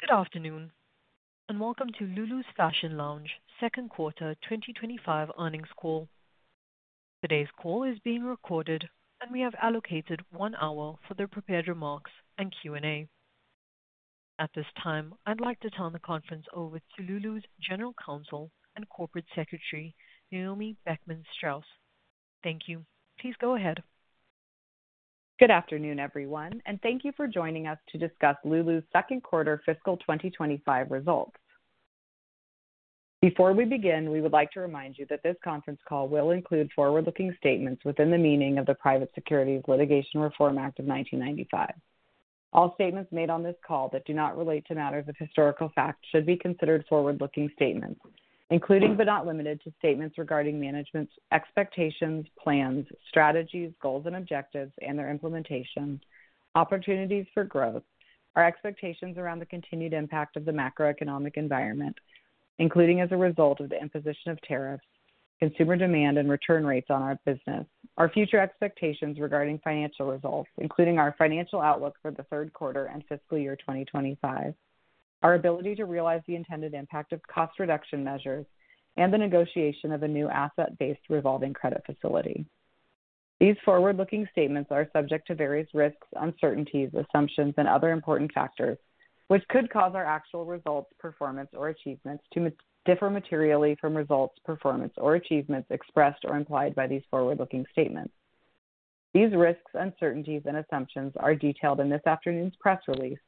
Good afternoon and welcome to Lulu's Fashion Lounge Holdings, Inc. second quarter 2025 earnings call. Today's call is being recorded, and we have allocated one hour for their prepared remarks and Q&A. At this time, I'd like to turn the conference over to Lulu's General Counsel and Corporate Secretary, Naomi Beckman-Straus. Thank you. Please go ahead. Good afternoon, everyone, and thank you for joining us to discuss Lulu's Fashion Lounge Holdings, Inc.'s second quarter fiscal 2025 results. Before we begin, we would like to remind you that this conference call will include forward-looking statements within the meaning of the Private Securities Litigation Reform Act of 1995. All statements made on this call that do not relate to matters of historical fact should be considered forward-looking statements, including but not limited to statements regarding management's expectations, plans, strategies, goals, and objectives, and their implementation, opportunities for growth, our expectations around the continued impact of the macroeconomic environment, including as a result of the imposition of tariffs, consumer demand, and return rates on our business, our future expectations regarding financial results, including our financial outlook for the third quarter and fiscal year 2025, our ability to realize the intended impact of cost reduction measures, and the negotiation of a new asset-based revolving credit facility. These forward-looking statements are subject to various risks, uncertainties, assumptions, and other important factors, which could cause our actual results, performance, or achievements to differ materially from results, performance, or achievements expressed or implied by these forward-looking statements. These risks, uncertainties, and assumptions are detailed in this afternoon's press release,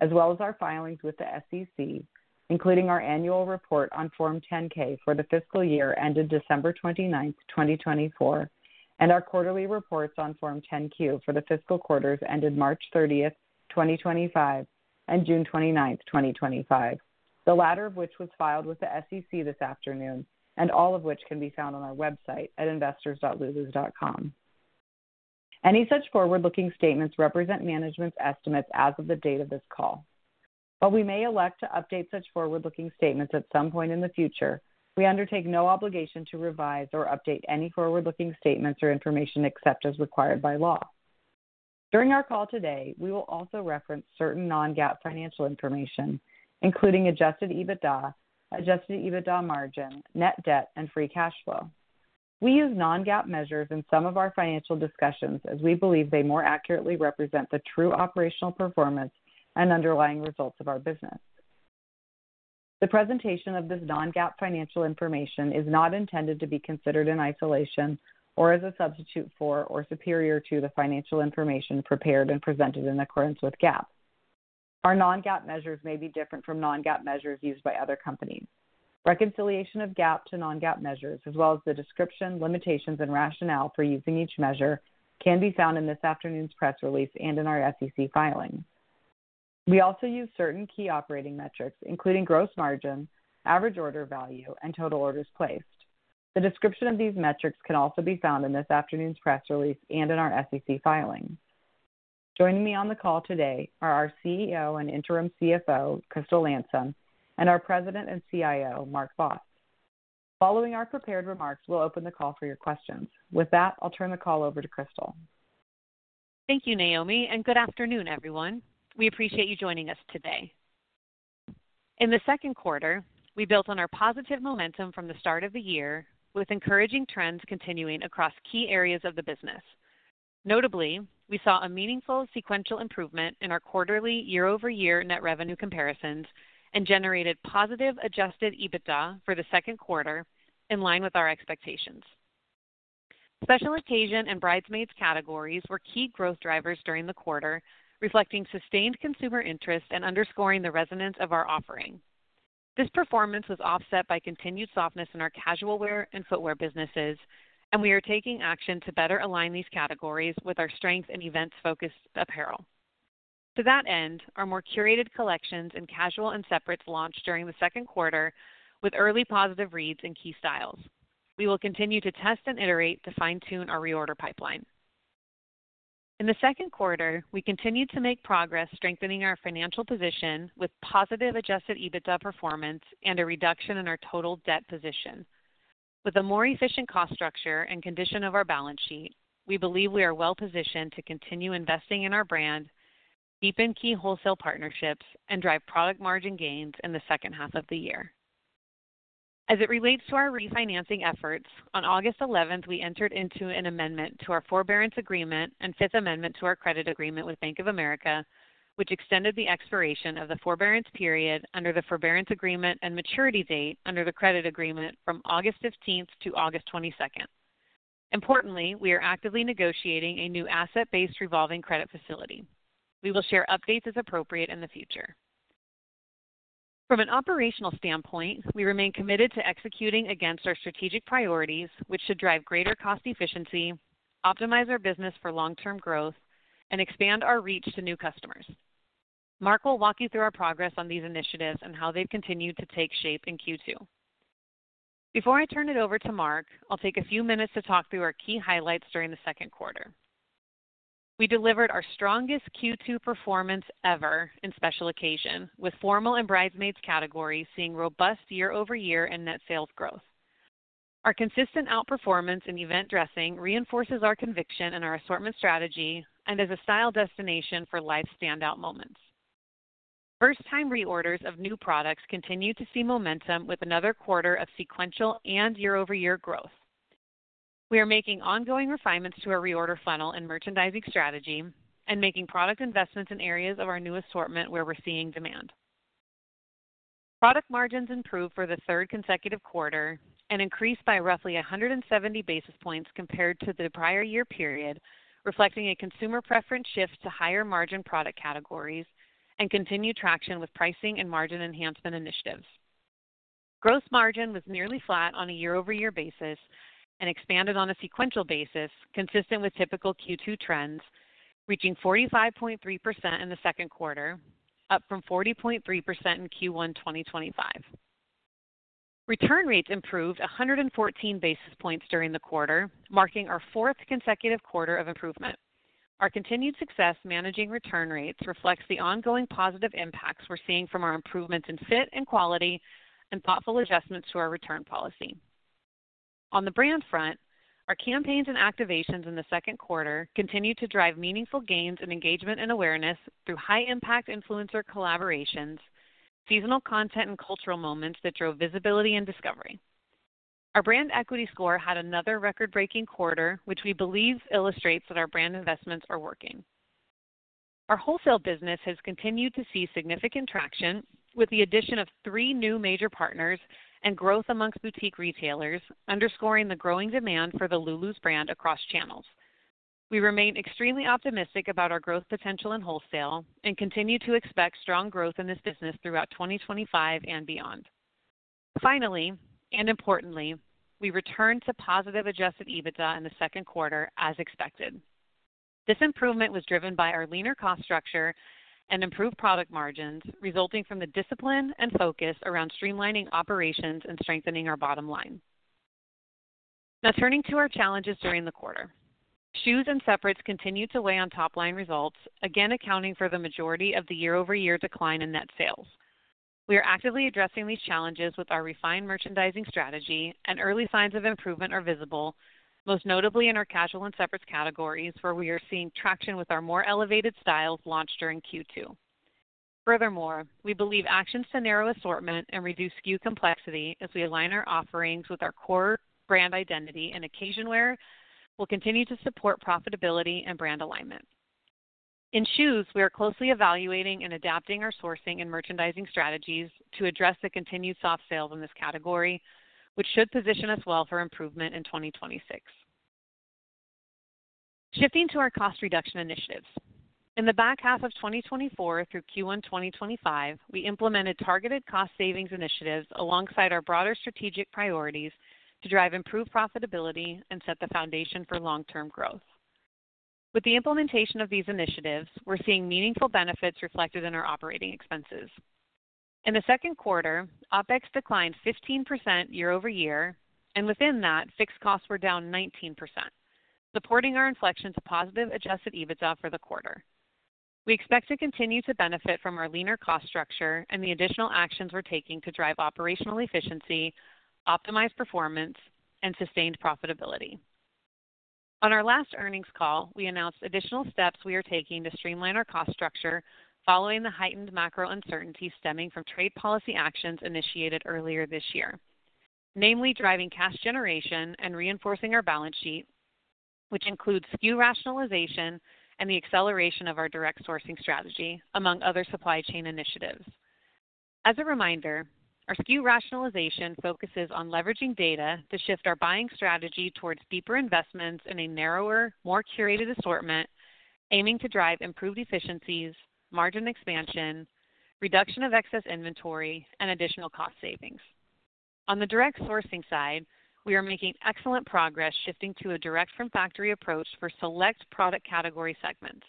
as well as our filings with the SEC, including our annual report on Form 10-K for the fiscal year ended December 29, 2024, and our quarterly reports on Form 10-Q for the fiscal quarters ended March 30, 2025, and June 29, 2025, the latter of which was filed with the SEC this afternoon, and all of which can be found on our website at investors.lulus.com. Any such forward-looking statements represent management's estimates as of the date of this call. While we may elect to update such forward-looking statements at some point in the future, we undertake no obligation to revise or update any forward-looking statements or information except as required by law. During our call today, we will also reference certain non-GAAP financial information, including adjusted EBITDA, adjusted EBITDA margin, net debt, and free cash flow. We use non-GAAP measures in some of our financial discussions as we believe they more accurately represent the true operational performance and underlying results of our business. The presentation of this non-GAAP financial information is not intended to be considered in isolation or as a substitute for or superior to the financial information prepared and presented in accordance with GAAP. Our non-GAAP measures may be different from non-GAAP measures used by other companies. Reconciliation of GAAP to non-GAAP measures, as well as the description, limitations, and rationale for using each measure, can be found in this afternoon's press release and in our SEC filing. We also use certain key operating metrics, including gross margin, average order value, and total orders placed. The description of these metrics can also be found in this afternoon's press release and in our SEC filing. Joining me on the call today are our CEO and Interim CFO, Crystal Landsem, and our President and CIO, Mark Vos. Following our prepared remarks, we'll open the call for your questions. With that, I'll turn the call over to Crystal. Thank you, Naomi, and good afternoon, everyone. We appreciate you joining us today. In the second quarter, we built on our positive momentum from the start of the year, with encouraging trends continuing across key areas of the business. Notably, we saw a meaningful sequential improvement in our quarterly, year-over-year net revenue comparisons and generated positive adjusted EBITDA for the second quarter, in line with our expectations. Special occasion and bridesmaid dresses categories were key growth drivers during the quarter, reflecting sustained consumer interest and underscoring the resonance of our offering. This performance was offset by continued softness in our casual wear and footwear businesses, and we are taking action to better align these categories with our strength in events-focused apparel. To that end, our more curated collections in casual and separates launched during the second quarter, with early positive reads in key styles. We will continue to test and iterate to fine-tune our reorder pipeline. In the second quarter, we continued to make progress, strengthening our financial position with positive adjusted EBITDA performance and a reduction in our total debt position. With a more efficient cost structure and condition of our balance sheet, we believe we are well positioned to continue investing in our brand, deepen key wholesale partnerships, and drive product margin gains in the second half of the year. As it relates to our refinancing efforts, on August 11, we entered into an amendment to our forbearance agreement and Fifth Amendment to our credit agreement with Bank of America, which extended the expiration of the forbearance period under the forbearance agreement and maturity date under the credit agreement from August 15 to August 22. Importantly, we are actively negotiating a new asset-based revolving credit facility. We will share updates as appropriate in the future. From an operational standpoint, we remain committed to executing against our strategic priorities, which should drive greater cost efficiency, optimize our business for long-term growth, and expand our reach to new customers. Mark will walk you through our progress on these initiatives and how they've continued to take shape in Q2. Before I turn it over to Mark, I'll take a few minutes to talk through our key highlights during the second quarter. We delivered our strongest Q2 performance ever in special occasion, with formal and bridesmaid dresses categories seeing robust year-over-year and net sales growth. Our consistent outperformance in event dressing reinforces our conviction in our assortment strategy and is a style destination for life standout moments. First-time reorders of new products continue to see momentum with another quarter of sequential and year-over-year growth. We are making ongoing refinements to our reorder funnel and merchandising strategy and making product investments in areas of our new assortment where we're seeing demand. Product margins improved for the third consecutive quarter and increased by roughly 170 basis points compared to the prior year period, reflecting a consumer preference shift to higher margin product categories and continued traction with pricing and margin enhancement initiatives. Gross margin was nearly flat on a year-over-year basis and expanded on a sequential basis, consistent with typical Q2 trends, reaching 45.3% in the second quarter, up from 40.3% in Q1 2025. Return rates improved 114 basis points during the quarter, marking our fourth consecutive quarter of improvement. Our continued success managing return rates reflects the ongoing positive impacts we're seeing from our improvements in fit and quality and thoughtful adjustments to our return policies. On the brand front, our brand campaigns and activations in the second quarter continue to drive meaningful gains in engagement and awareness through high-impact influencer collaborations, seasonal content, and cultural moments that drove visibility and discovery. Our brand equity scores had another record-breaking quarter, which we believe illustrates that our brand investments are working. Our wholesale partnerships business has continued to see significant traction with the addition of three new major partners and growth amongst boutique retailers, underscoring the growing demand for the Lulu's brand across channels. We remain extremely optimistic about our growth potential in wholesale and continue to expect strong growth in this business throughout 2025 and beyond. Finally, and importantly, we returned to positive adjusted EBITDA in the second quarter, as expected. This improvement was driven by our leaner cost structure and improved product margins, resulting from the discipline and focus around streamlining operations and strengthening our bottom line. Now turning to our challenges during the quarter, shoes and separates continue to weigh on top-line results, again accounting for the majority of the year-over-year decline in net sales. We are actively addressing these challenges with our refined merchandising strategy, and early signs of improvement are visible, most notably in our casual and separates categories, where we are seeing traction with our more elevated styles launched during Q2. Furthermore, we believe actions to narrow assortment and reduce SKU complexity as we align our offerings with our core brand identity and occasion wear will continue to support profitability and brand alignment. In shoes, we are closely evaluating and adapting our sourcing and merchandising strategies to address the continued soft sales in this category, which should position us well for improvement in 2026. Shifting to our cost reduction initiatives, in the back half of 2024 through Q1 2025, we implemented targeted cost savings initiatives alongside our broader strategic priorities to drive improved profitability and set the foundation for long-term growth. With the implementation of these initiatives, we're seeing meaningful benefits reflected in our operating expenses. In the second quarter, OpEx declined 15% year-over-year, and within that, fixed costs were down 19%, supporting our inflection to positive adjusted EBITDA for the quarter. We expect to continue to benefit from our leaner cost structure and the additional actions we're taking to drive operational efficiency, optimize performance, and sustained profitability. On our last earnings call, we announced additional steps we are taking to streamline our cost structure following the heightened macro uncertainty stemming from trade policy actions initiated earlier this year, namely driving cash generation and reinforcing our balance sheet, which includes SKU rationalization and the acceleration of our direct sourcing strategy, among other supply chain initiatives. As a reminder, our SKU rationalization focuses on leveraging data to shift our buying strategy towards deeper investments in a narrower, more curated assortment, aiming to drive improved efficiencies, margin expansion, reduction of excess inventory, and additional cost savings. On the direct sourcing side, we are making excellent progress shifting to a direct from factory approach for select product category segments.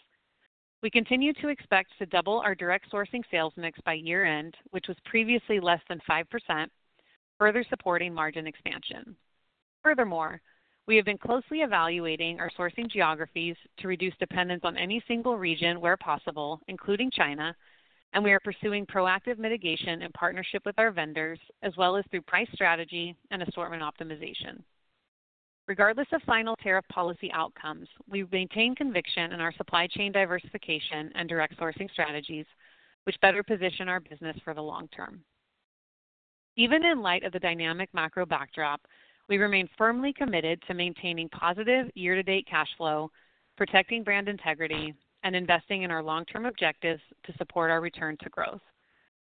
We continue to expect to double our direct sourcing sales mix by year-end, which was previously less than 5%, further supporting margin expansion. Furthermore, we have been closely evaluating our sourcing geographies to reduce dependence on any single region where possible, including China, and we are pursuing proactive mitigation in partnership with our vendors, as well as through price strategy and assortment optimization. Regardless of final tariff policy outcomes, we maintain conviction in our supply chain diversification and direct sourcing strategies, which better position our business for the long term. Even in light of the dynamic macro backdrop, we remain firmly committed to maintaining positive year-to-date cash flow, protecting brand integrity, and investing in our long-term objectives to support our return to growth.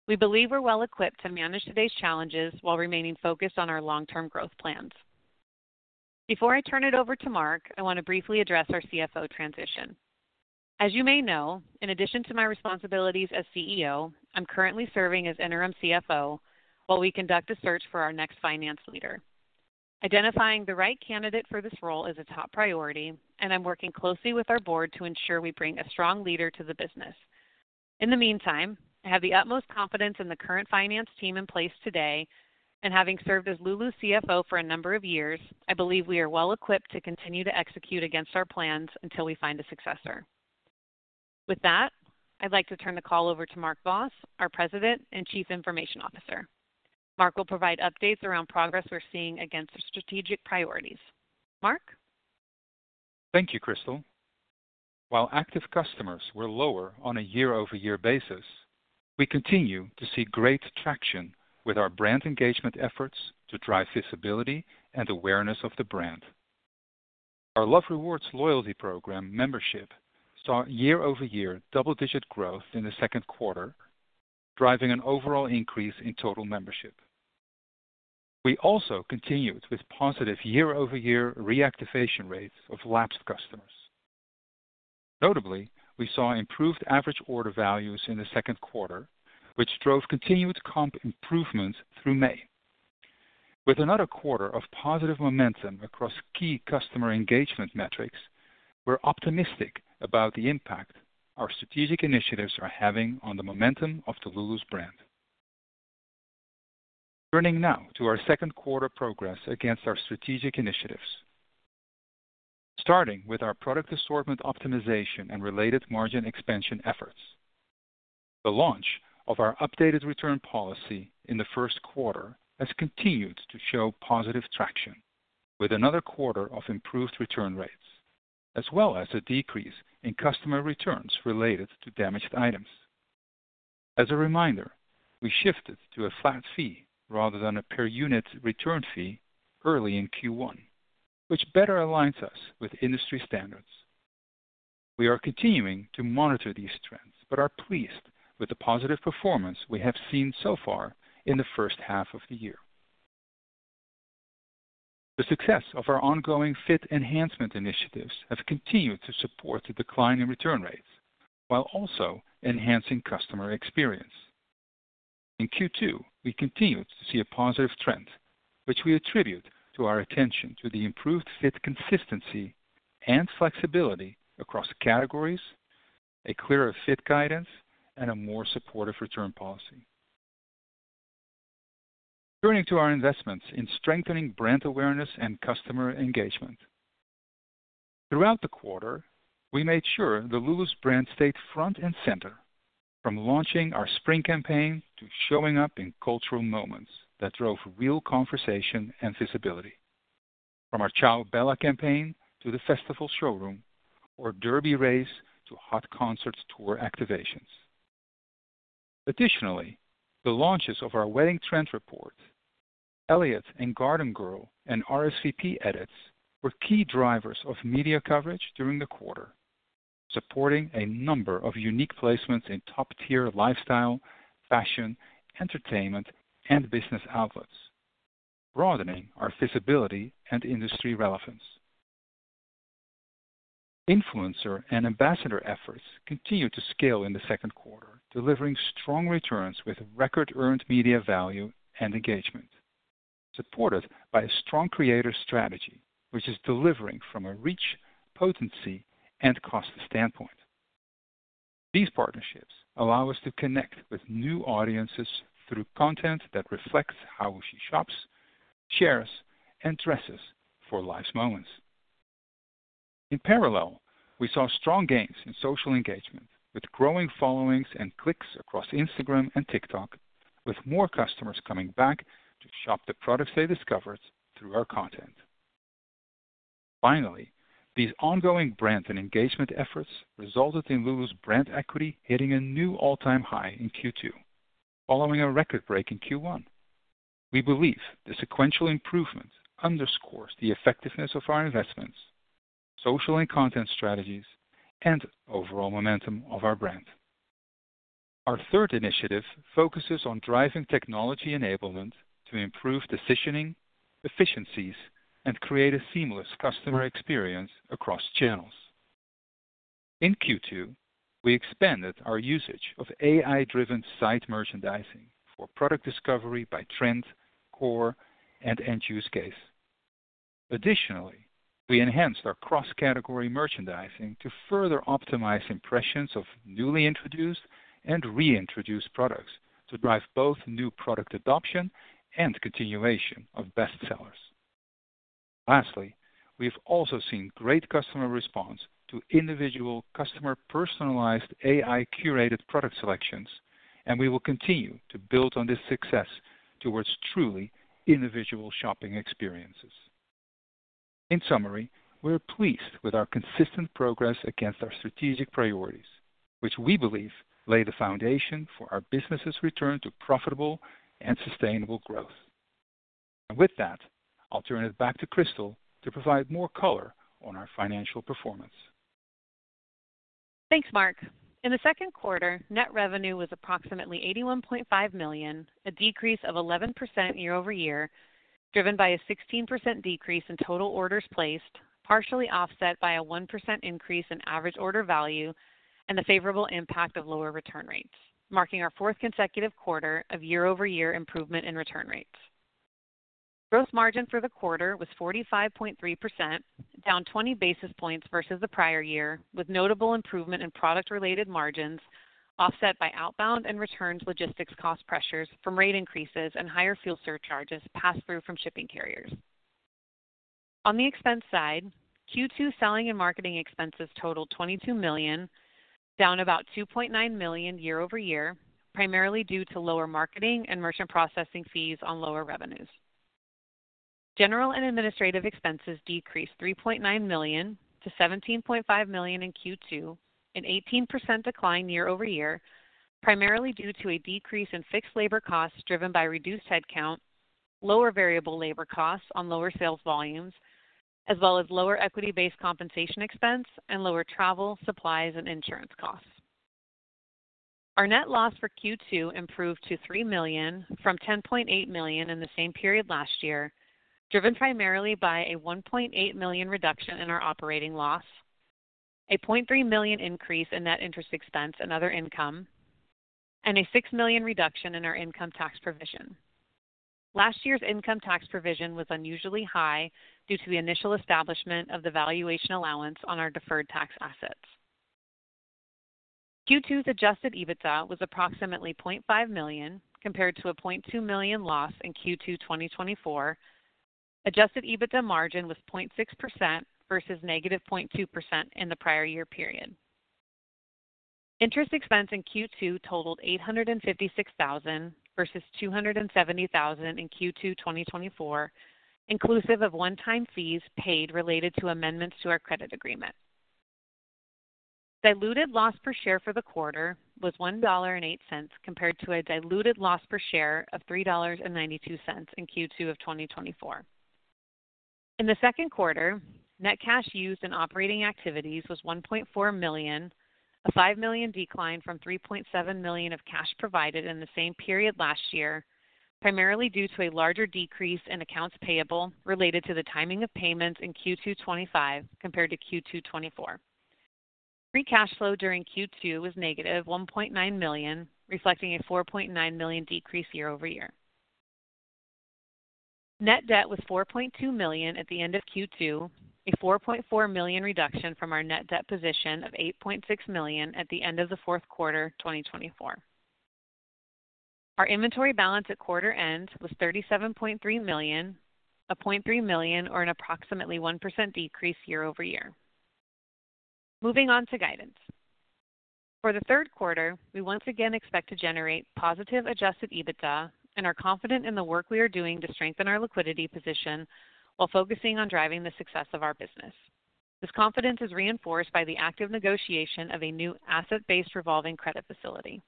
We believe we're well equipped to manage today's challenges while remaining focused on our long-term growth plans. Before I turn it over to Mark, I want to briefly address our CFO transition. As you may know, in addition to my responsibilities as CEO, I'm currently serving as Interim CFO while we conduct a search for our next finance leader. Identifying the right candidate for this role is a top priority, and I'm working closely with our board to ensure we bring a strong leader to the business. In the meantime, I have the utmost confidence in the current finance team in place today, and having served as Lulu's CFO for a number of years, I believe we are well equipped to continue to execute against our plans until we find a successor. With that, I'd like to turn the call over to Mark Vos, our President and Chief Information Officer. Mark will provide updates around progress we're seeing against strategic priorities. Mark? Thank you, Crystal. While active customers were lower on a year-over-year basis, we continue to see great traction with our brand engagement efforts to drive visibility and awareness of the brand. Our Love Rewards loyalty program membership saw year-over-year double-digit growth in the second quarter, driving an overall increase in total membership. We also continued with positive year-over-year reactivation rates of lapsed customers. Notably, we saw improved average order values in the second quarter, which drove continued comp improvements through May. With another quarter of positive momentum across key customer engagement metrics, we're optimistic about the impact our strategic initiatives are having on the momentum of the Lulu's brand. Turning now to our second quarter progress against our strategic initiatives, starting with our product assortment optimization and related margin expansion efforts. The launch of our updated return policy in the first quarter has continued to show positive traction, with another quarter of improved return rates, as well as a decrease in customer returns related to damaged items. As a reminder, we shifted to a flat fee rather than a per unit return fee early in Q1, which better aligns us with industry standards. We are continuing to monitor these trends but are pleased with the positive performance we have seen so far in the first half of the year. The success of our ongoing fit enhancement initiatives has continued to support the decline in return rates while also enhancing customer experience. In Q2, we continued to see a positive trend, which we attribute to our attention to the improved fit consistency and flexibility across categories, a clearer fit guidance, and a more supportive return policy. Turning to our investments in strengthening brand awareness and customer engagement. Throughout the quarter, we made sure the Lulu's brand stayed front and center, from launching our spring campaign to showing up in cultural moments that drove real conversation and visibility, from our Ciao Bella campaign to the festival showroom, or Derby Race to hot concert tour activations. Additionally, the launches of our wedding trend report, Elliot and Garden Girl, and RSVP edits were key drivers of media coverage during the quarter, supporting a number of unique placements in top-tier lifestyle, fashion, entertainment, and business outlets, broadening our visibility and industry relevance. Influencer and ambassador efforts continue to scale in the second quarter, delivering strong returns with record-earned media value and engagement, supported by a strong creator strategy, which is delivering from a reach, potency, and cost standpoint. These partnerships allow us to connect with new audiences through content that reflects how she shops, shares, and dresses for life's moments. In parallel, we saw strong gains in social engagement, with growing followings and clicks across Instagram and TikTok, with more customers coming back to shop the products they discovered through our content. Finally, these ongoing brand and engagement efforts resulted in Lulu's brand equity hitting a new all-time high in Q2, following a record break in Q1. We believe the sequential improvement underscores the effectiveness of our investments, social and content strategies, and overall momentum of our brand. Our third initiative focuses on driving technology enablement to improve decisioning, efficiencies, and create a seamless customer experience across channels. In Q2, we expanded our usage of AI-driven site merchandising for product discovery by trend, core, and end-use case. Additionally, we enhanced our cross-category merchandising to further optimize impressions of newly introduced and reintroduced products to drive both new product adoption and continuation of best sellers. Lastly, we've also seen great customer response to individual customer-personalized AI-curated product selections, and we will continue to build on this success towards truly individual shopping experiences. In summary, we're pleased with our consistent progress against our strategic priorities, which we believe lay the foundation for our business's return to profitable and sustainable growth. With that, I'll turn it back to Crystal to provide more color on our financial performance. Thanks, Mark. In the second quarter, net revenue was approximately $81.5 million, a decrease of 11% year-over-year, driven by a 16% decrease in total orders placed, partially offset by a 1% increase in average order value and the favorable impact of lower return rates, marking our fourth consecutive quarter of year-over-year improvement in return rates. Gross margin for the quarter was 45.3%, down 20 basis points versus the prior year, with notable improvement in product-related margins offset by outbound and returns logistics cost pressures from rate increases and higher fuel surcharges pass-through from shipping carriers. On the expense side, Q2 selling and marketing expenses totaled $22 million, down about $2.9 million year-over-year, primarily due to lower marketing and merchant processing fees on lower revenues. General and administrative expenses decreased $3.9 million to $17.5 million in Q2, an 18% decline year-over-year, primarily due to a decrease in fixed labor costs driven by reduced headcount, lower variable labor costs on lower sales volumes, as well as lower equity-based compensation expense and lower travel, supplies, and insurance costs. Our net loss for Q2 improved to $3 million from $10.8 million in the same period last year, driven primarily by a $1.8 million reduction in our operating loss, a $0.3 million increase in net interest expense and other income, and a $6 million reduction in our income tax provision. Last year's income tax provision was unusually high due to the initial establishment of the valuation allowance on our deferred tax assets. Q2's adjusted EBITDA was approximately $0.5 million compared to a $0.2 million loss in Q2 2024. Adjusted EBITDA margin was 0.6% versus negative 0.2% in the prior year period. Interest expense in Q2 totaled $856,000 versus $270,000 in Q2 2024, inclusive of one-time fees paid related to amendments to our credit agreement. Diluted loss per share for the quarter was $1.08 compared to a diluted loss per share of $3.92 in Q2 of 2024. In the second quarter, net cash used in operating activities was $1.4 million, a $5 million decline from $3.7 million of cash provided in the same period last year, primarily due to a larger decrease in accounts payable related to the timing of payments in Q2 2025 compared to Q2 2024. Free cash flow during Q2 was negative $1.9 million, reflecting a $4.9 million decrease year-over-year. Net debt was $4.2 million at the end of Q2, a $4.4 million reduction from our net debt position of $8.6 million at the end of the fourth quarter 2024. Our inventory balance at quarter end was $37.3 million, a $0.3 million or an approximately 1% decrease year-over-year. Moving on to guidance. For the third quarter, we once again expect to generate positive adjusted EBITDA and are confident in the work we are doing to strengthen our liquidity position while focusing on driving the success of our business. This confidence is reinforced by the active negotiation of a new asset-based revolving credit facility.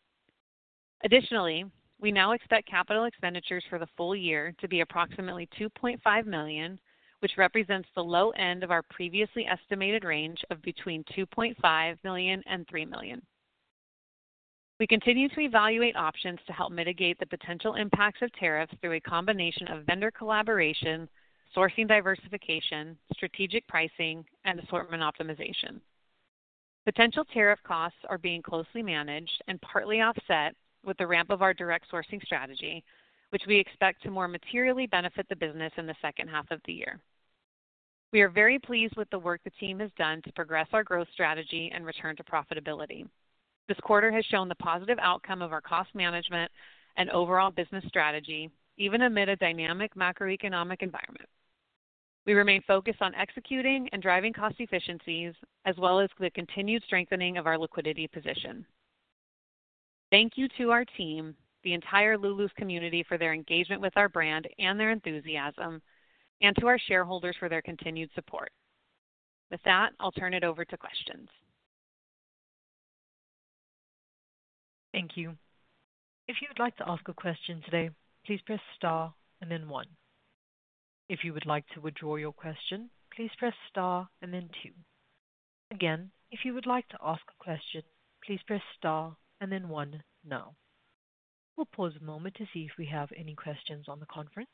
Additionally, we now expect capital expenditures for the full year to be approximately $2.5 million, which represents the low end of our previously estimated range of between $2.5 million and $3 million. We continue to evaluate options to help mitigate the potential impacts of tariffs through a combination of vendor collaboration, sourcing diversification, strategic pricing, and assortment optimization. Potential tariff costs are being closely managed and partly offset with the ramp of our direct sourcing strategy, which we expect to more materially benefit the business in the second half of the year. We are very pleased with the work the team has done to progress our growth strategy and return to profitability. This quarter has shown the positive outcome of our cost management and overall business strategy, even amid a dynamic macroeconomic environment. We remain focused on executing and driving cost efficiencies, as well as the continued strengthening of our liquidity position. Thank you to our team, the entire Lulu's community, for their engagement with our brand and their enthusiasm, and to our shareholders for their continued support. With that, I'll turn it over to questions. Thank you. If you'd like to ask a question today, please press star and then one. If you would like to withdraw your question, please press star and then two. Again, if you would like to ask a question, please press star and then one now. We'll pause a moment to see if we have any questions on the conference.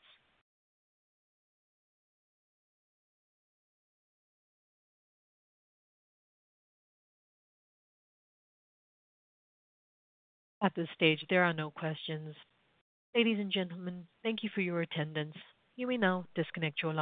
At this stage, there are no questions. Ladies and gentlemen, thank you for your attendance. You may now disconnect your line.